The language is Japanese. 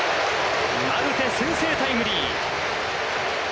マルテ先制タイムリー。